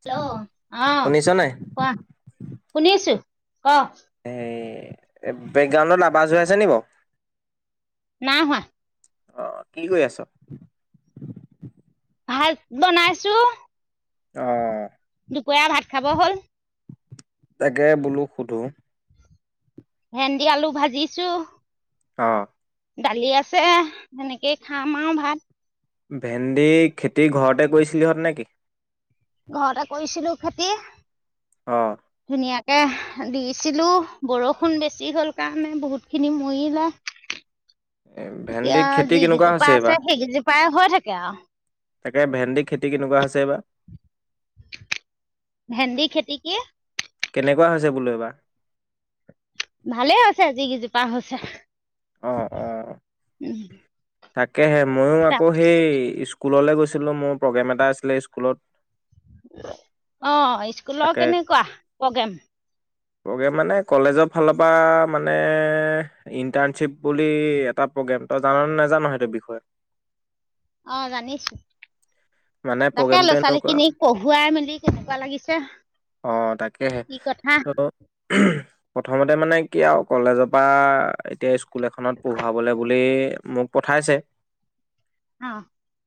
Hello অহ শুনিছ নাই? কোৱা শুনিছো ক এই বেকগ্ৰাউণ্ডত আৱাজ হৈ আছে নি বাৰু নাই হোৱা অহ কি কৰি আছ ভাত বনাইছো আহ খোৱা ভাত খাব হ'ল তাকে বোলো সোধো ভেন্দি আলু ভাজিছো অ দালি আছে সেনেকেই খাম আৰু ভাত ভেন্দি খেতি ঘৰতে কৰিছিলিহঁত নে কি ঘৰতে কৰিছিলো খেতি আহ তাকে দিছিলো বৰষুণ বেছি হ'ল কাৰণে বহুত খিনি মৰিলো এতিয়া ভেন্দিৰ খেতি যি কেনেকুৱা হৈছে কেইজোপা এইবাৰ? আছে সেইকেইজোপাই হৈ থাকে আৰু তাকে ভেন্দি খেতি কেনেকুৱা হৈছে এই বা ভেন্দি খেতি কি কেনেকুৱা হৈছে বোলো এবাৰ ভালে হৈছে যি কেইজোপাৰ হৈছে অ' অ' উম তাকেহে মইও আকৌ সেই স্কুললৈ গৈছিলোঁ মোৰ প্ৰগ্ৰেম এটা আছিলে স্কুলত অ অ স্কুলৰ তাকে কেনেকুৱা প্ৰগ্ৰেম প্ৰগ্ৰেম মানে কলেজৰ ফালৰ পৰা মানে ইণ্টাৰ্ণশ্বিপ বুলি এটা প্ৰগ্ৰেম তই জান নাজানো সেইটো বিষয়ে অ জানিছো মানে তাকে প্ৰগ্ৰেমটো ল'ৰা ছোৱালী এনেকুৱা খিনিক পঢ়াৱাই মেলি কেনেকুৱা লাগিছে অ' তাকেহে কি কথা ত' প্ৰথমতে মানে কি আৰু কলেজৰ পৰা এতিয়া স্কুল এখনত পঢ়াবলৈ বোলি মোক পঠাইছে অ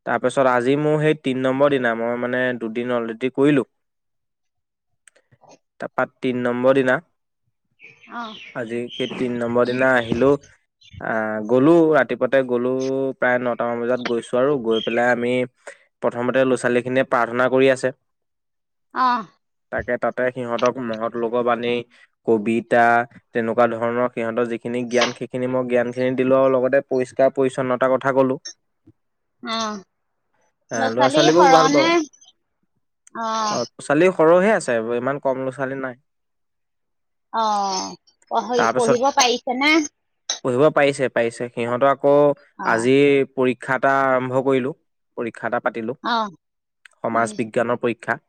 তাৰপিছত আজি মোৰ সেই তিনি নম্বৰ দিনা মই মানে দুদিন অলৰেডি কৰিলোঁ তাৰপা তিন নম্বৰ দিনা অ আজি সেই তিন নম্বৰ দিনা আহিলো আহ গলো ৰাতিপুৱাতে গলো প্ৰায় নটামান বজাত গৈছো আৰু গৈ পেলাই আমি প্ৰথমতে ল'ৰা ছোৱালীখিনিয়ে প্ৰাৰ্থনা কৰি আছে। অহ তাকে তাতে সিহঁতক মহৎ লোক বাণী কবিতা তেনেকুৱা ধৰণৰ সিহঁতৰ যিখিনি জ্ঞান সেইখিনি মই জ্ঞানখিনি দিলোঁ আৰু লগতে পৰিষ্কাৰ পৰিচ্ছন্নতাৰ কথা কলোঁ। অ এ ল'ৰা ছোৱালী ছোৱালীবোৰ ভাল বাৰু সৰহনে অ ছোৱালী সৰহে আছে আৰু ইমান কম ল'ৰা ছোৱালী নাই। অ পঢ়ি তাৰপিছত পঢ়িব পাৰিছে নে পঢ়িব পাৰিছে পাৰিছে সিহঁতক ক অ আজি পৰীক্ষা ক্ষা এটা আৰম্ভ কৰিলোঁ খা পাতিলোঁ অ উম সমাজ বিজ্ঞানৰ পৰীক্ষা।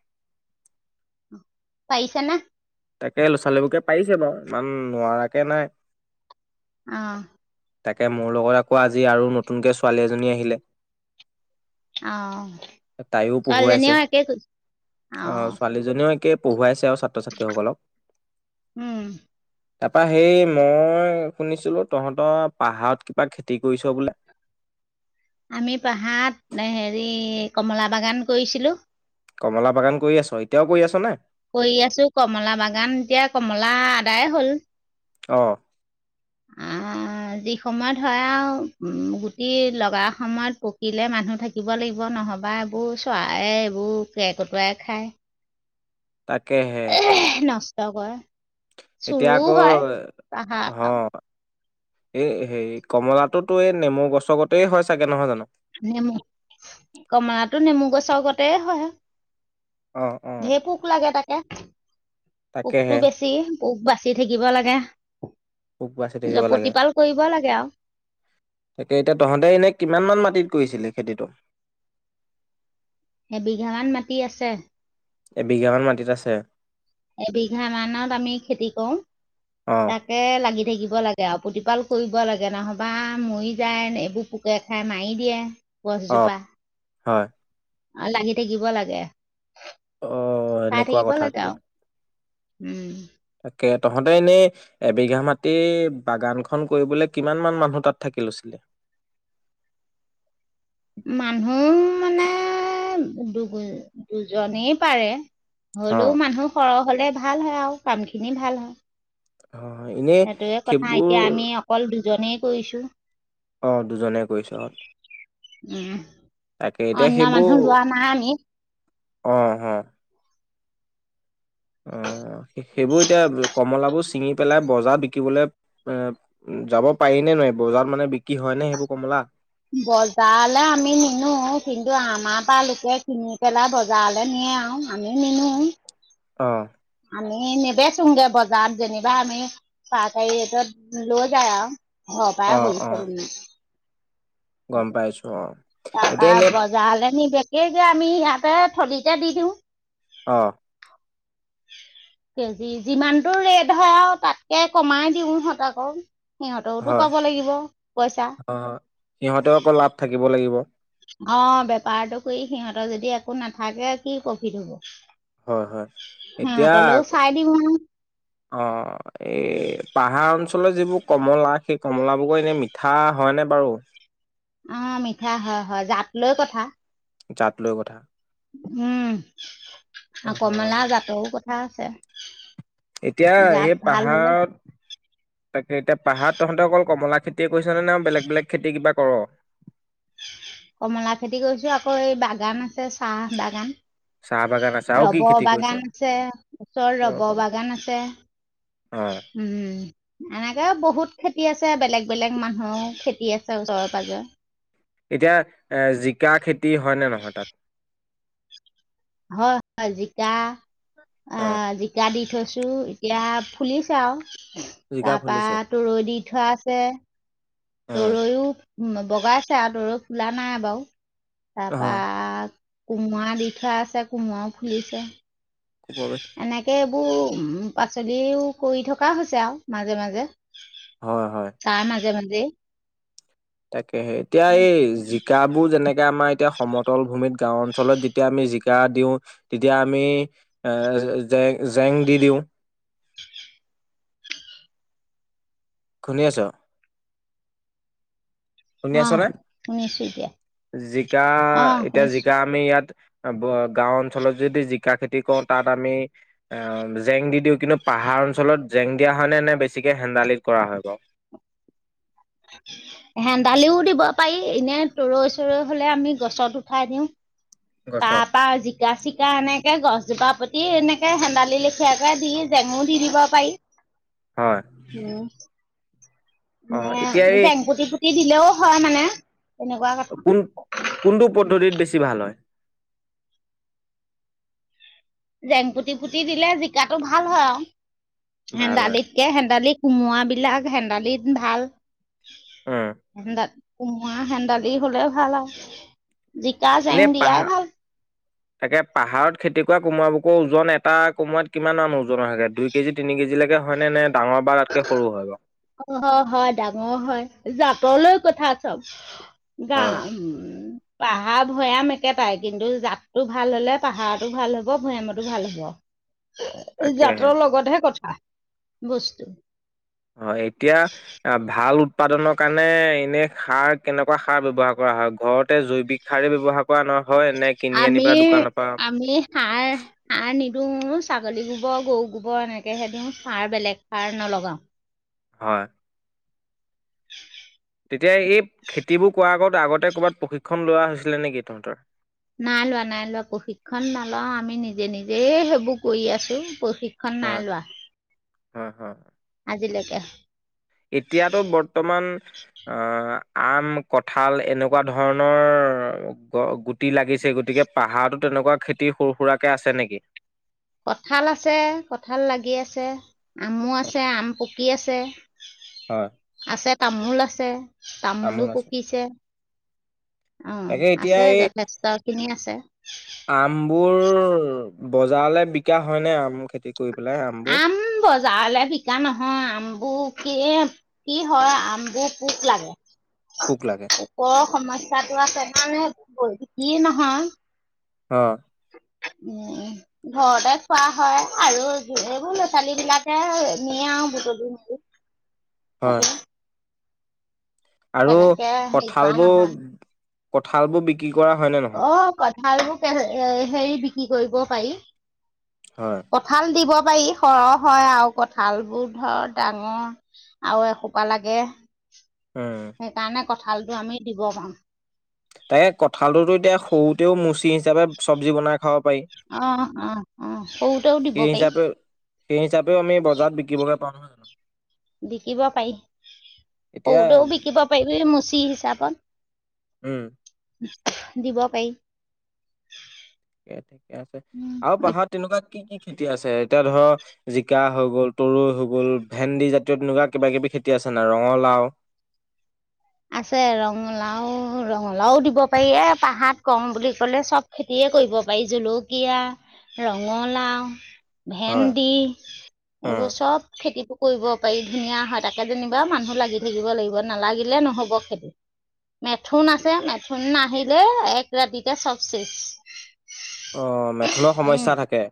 পাৰিছা নে তাকে ল'ৰা ছোৱালীবোৰকে পাৰিছে বাৰু ইমান নোৱাৰাকে নাই। অহ', তাকে মোৰ লগত আকৌ আজি আৰু নতুনকে ছোৱালী এজনী আহিলে। অহ', তাইও ছোৱালীজনী পঢ়ুৱাইছে। একেই অহ',। পঢ়োৱাইছে আৰু ছাত্ৰ ছাত্ৰীসকলক। উম তাৰপা সেই মই শুনিছিলোঁ তহঁতৰ পাহাৰত কিবা খেতি কৰিছ বোলে। আমি পাহাৰত হেৰি, কমলা বাগান কৰিছিলোঁ। কমলা বাগান কৰি আছ এতিয়াও কৰি আছ নে? কৰি আছোঁ কমলা বাগান এতিয়া কমলা আদায় হ'ল। অহ ', আঁহ ', যিসময়ত হয় আৰু গুটি লগা সময়ত পকিলে মানুহ থাকিব লাগিব নহ'বা এইবোৰ চৰাইয়ে এইবোৰ কে কটুৱাই খায়। তাকেহে, নষ্ট কৰে এতিয়া চোৰো আকৌ হয় পাহাৰ হ', এই হে কমলাটোতো এই নেমু গছ গতেই হয় চাগে নহয় জানোঁ। নেমু কমলাটো। নেমু গছৰ গতে হয়। অ অ ঢেৰ পোক লাগে তাকে। পোকটো তাকেহে বেছি। পোক বাচি থাকিব লাগে। পোক বাচি থাকিব জ- লাগে প্ৰতিপাল কৰিব লাগে আৰু তাকে এতিয়া তহঁতে এনে কিমান মান মাটিত। কৰিছিলি খেতিটো। এবিঘামান মাটি আছে। এবিঘামান মাটিত আছে। এবিঘা মানত আমি খেতি কৰো অ তাকে লাগি থাকিব লাগে। তে প্ৰতিপাল কৰিব লাগে নহবা মৰি যায়। এইবোৰ পোকে খাই মাৰি দিয়ে। অ গছজোপা। হয় আৰু লাগি থাকিব লাগে। অ চাই এনেকুৱা থাকিব কথা লাগে এতিয়া। আৰু উম তাকে তহঁতে এনেই এবিঘা মাটি বাগানখন কৰিবলৈ কিমান মান মানুহ তাত থাকি লৈছিলি। মানুহ মানে। দুজনী দুজনী পাৰে। অ হলেও মানুহ সৰহ হ'লে ভাল হয়। আৰু কাম খিনি ভাল হয়। হয় হয় এনেই সেইবোৰ দুজনে কৰিছো। অ দুজনে কৰিছ অ উম তাকে এতিয়া অন্য সেইবোৰ মানুহ লোৱা নাহাই আমি অ হ অ সেইবোৰ এতিয়া কমলাবোৰ ছিঙি পেলাই বজাৰত বিকিবলৈ এ যাব পাৰি নে ন বজাৰত মানে বিক্ৰী হয় নে সেইবোৰ কমলা বজাৰলৈ আমি নিনো কিন্তু আমাৰ পৰা লোকে কিনি পেলাই বজাৰলে নিয়ে। আৰু আমি নিনো অঁ আমি নিবেচোগে বজাৰত যেনিবা আমি পাহকাৰত লৈ যায় আৰু অ পায় হলছে ন গম পাইছো অ এতিয়া এনে তাৰ পাবজা হলে ন বেকে এই যে আমি ইহতে থলিতে দি দিওঁ। অ কেজি যিমানটো ৰেট হয় আৰু তাতকে কমাই দিওঁ সহঁত আকৌ হয় হয় সিহঁতেও আকৌ লাভ থাকিব লাগিব। অ বেপাৰতটো কৰি সিহঁতৰ যদি একো নাথাকে কি প্ৰফিট হব হয় হয় এতিয়া সিহঁতলৈও চাই দিম আৰু অ এই পাহাৰ অঞ্চলৰ যিবোৰ কমলা সেই কমলাবোৰৰ এনেই মিঠা হয়নে বাৰু অ মিঠা হয় হয় জাত লৈ কথা। জাত লৈ কথা উম অ কমলা, জাতও কথা হা [unintelligible] চ এতিয়া এ পাহাৰত তাকে এতিয়া পাহাৰ তহঁতে অকল কমলা খেতিয়ে কৰিছেনে নে বেলেগ বেলেগ খেতিয়ে কিবা কৰ কমলা খেতি কৰিছো আকৌ এই বাগান আছে চাহ বাগান। চাহ বাগান আছে আৰু কি ৰব খেতি কৰিছ বাগান আছে ওচৰ ৰব বাগান আছে। অ উম এনেকে বহুত খেতি আছে বেলেগ বেলেগ মানুহৰ খেতি আছে ওচৰে পাজৰে। এতিয়া এ জিকা খেতি হয় নে নহয় তাত? হয় জিকা অ জিকা দি থৈছোঁ এতিয়া ফুলিছে আৰু। জিকা তাৰ পা ফুলিছে তো দি থোৱা আছে। অ তেওঁয়ো [unintelligible] উম বগাইছে আৰু ত ফোলা নাই বাৰু। পাগ কোমোৰা দি থোৱা আছে কোমোৰা ফুলিছে। হয় এনেকে এইবোৰ উ পাচলিও কৰি থকা হৈছে আৰু, মাজে মাজে। হয় হয় তাৰ মাজে মাজে। তাকেহে এতিয়া এই জিকাবোৰ যেনেক তেতিয়া আমাৰ এতিয়া সমতল ভূমিত গাও অঞ্চলত যেতিয়া আমি জিকা দিওঁ তেতিয়া আমি এ জ-জেং দি দিওঁ। শুনি আছ? শুনি অ আছ নে? শুনিছো এতিয়া জিকা অ এতিয়া শুনিছো জিকা আমি ইয়াত গাও অঞ্চলত যদি জি জিকা খেতি কৰো তাত আমি জেং দি দিওঁ কিন্তু পাহাৰ অঞ্চলত জেং দিয়া হয়নে নে বেছিকে হেন্দালি কৰা হয় কহ? হেন্দালিও দিব পাৰি, এনে তৰৈ চৰৈ হলে আমি গছত উঠাই দিওঁ। গছত তাৰপা জিকা চি এতিয়া এনেকে গছজোপা পুতি এনেকে হেন্দালি লেখিয়াকে দি জেঙু দি দিব পাৰি। হয় উ অ নে এতিয়া এই জেংপুতি পুতি দিলেও হয় মানে। তেনেকুৱা কথা কোন কোনটো পদ্ধতিত বেছি ভাল হয়? জেংপুতি পুতি দিলে জিকাটো ভাল হয় আৰু। ভাল হয় হেন্দালিত কে হেন্দালিক কোমোৱাবলাক হেন্দালিত ভাল। উম এন্ত কুমুৱা হেণ্ডালি হলে ভাল আৰু। জিকা এনে জেং দিয়াই পাহাৰ ভাল। তাকে পাহাৰত খেতি কৰা কোমোৰা বুকৰ ওজন এটা কোমোৰাত কিমান মান ওজন হয়গে, দুই কেজি তিনি কেজিলৈকে হয়নে নে? ডাঙৰ বা তাতকে সৰু হয় বাৰু? অ হয়-হয় ডাঙৰ হয়। জাতলৈ কথা চব। গা হয়। উ পাহাৰ ভৈয়াম একেটাই কিন্তু জাততটো ভাল হলে পাহাৰতো ভাল হব, ভৈয়ামতো ভাল হব। তাকেহে জাতৰ লগতহে কথা গছ [unintelligible] হয় এতিয়া ভাল উৎপাদনৰ কাৰণে এনে সাৰ কেনেকুৱা সাৰ ব্যৱহাৰ কৰা হয়? ঘৰতে জৈৱিক সাৰেই ব্যৱহাৰ কৰা নহ আমি আমি সাৰ সাৰ নিদো ছাগলী গোবৰ গৰু গোবৰ এনেকেহে দিওঁ সাৰ বেলেগ সাৰ নলগাও। হয়। [unintelligible] তেতিয়া এই খেতিবোৰ কৰা আগত আগতে ক'ৰবাত প্ৰশিক্ষন লোৱা হৈছিলে নেকি তহঁতৰ? নাই লোৱা নাই লোৱা প্ৰশিক্ষণ নলো আমি নিজে নিজে সেইবোৰ কৰি আছো। প্ৰশিক্ষণ হয় নাই লোৱা। হয় হয়। আজিলেকে এতিয়াতো বৰ্তমান আহ আম, কঠাল এনেকুৱা ধৰণৰ গুটি লাগিছে গতিকে পাহাৰতো এনেকুৱা খেতি সৰু সুৰাকে আছে নেকি? কঠাল আছে কঠাল লাগি আছে আমো আছে আম পক কি আছে? হয়। আছে তামোল আছে তামোলো তামোল আছে। পকিছে অ তাকে এতিয়া আছে এই যথেষ্ট খিনি আছে তে আমবোৰ বজাৰলে বিকা হয় নে আম খেতি কৰি পেলাই আমবোৰ? আম বজাৰলে বিকা নহয়, আমবোৰ কি কি হয় আমবোৰ পোক লাগে। পোক লাগে। ওপৰ সমস্যা টো আছে মানে বৌ ইটো কিনো হয়? অ উম ঘৰতে খোৱা হয় আৰু এইবোৰ ল'ৰা ছোৱালী বিলাকে নিয়ে আৰু বুটলি, বুটলি। হয় তাকে আৰু হেৰি কঠাল কৰা বোৰ নহয় কঁঠাল বোৰ বিক্ৰী, কৰা হয়নে নহয়? ভাল বোৰ কেলে হেৰি বিক্ৰী কৰিব পাৰি। হয়। কঁঠাল দিব, পাৰি সৰহ হয় আৰু কঠালবোৰ ধৰ ডাঙৰ আৰু এসোপা লাগে উম সেইকাৰণে কঁঠালটো আমি দিব পাৰো। তাকে কঁঠালটোতো এতিয়া সৰুতেও মুচি হিচাপে চব্জি বনাই খাব পাৰি অ অ অ সৰুতেও দিব সেই পাৰি হিচাপেও সেই হিচাপেও আমি বজাৰত বিক্ৰীবগে পাৰোঁ নহয় জানো। বিক্ৰীব পাৰি এতিয়া সৰুতেও বিক্ৰীব পাৰিবি নহয় মুচি হিচাপে, উম দিব পাৰি। ঠিকে, ঠিকে আছে উম, আৰু পাহাৰত তেনেকুৱা কি, কি খেতি আছে এতিয়া ধৰক জিকা হৈ গ'ল, তৰু হৈ গল, ভেন্দি জাতীয় তেনেকুৱা কিবা কিবি খেতি আছে নাই ৰঙালাও আছে ৰঙালাও, ৰঙালাও দিব পাৰি এ পাহাৰত কৰো বুলি কলে চব খেতিয়ে কৰিব পাৰি জলকীয়া, ৰঙালাও হয় ভেন্দি উম। এইবোৰ চব খেতি কৰিব পাৰি। ধুনীয়া হয় তাকে যেনিবা মানুহ লাগি থাকিব লাগিব নালাগিল নালাগিলে, নহব খেতি মেথুন আছে মেথুন আহিলে এক ৰাতিতে চবছেজ। অ মেথুনৰ সমস্যাই থাকে।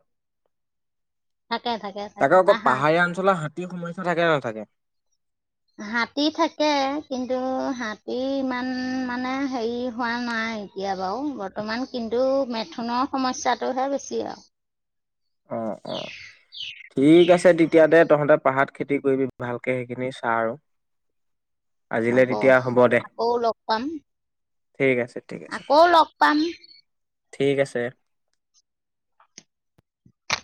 থাকে থাকে তাকে থাকে আকৌ বা হাত পাহাৰীয়া অঞ্চলৰ হাতীৰ সমস্যা থাকে নাথাকে হাতী থাকে, কিন্তু হাতী ইমান মানে হেৰি হোৱা নাই এতিয়া, বাৰু বৰ্তমান কিন্তু মেথুনৰ সমস্যাটোহে বেছি আৰু অ, অ ঠিক আছে তেতিয়া দে তহঁতে পাহাৰত খেতি কৰিবি ভালকে সেইখিনি চা আৰু আজিলে হ'ব তেতিয়া হ'ব দে আকৌ লগ পাম। ঠিক আছে ঠিক আছে আকৌ লগ পাম ঠিক আছে।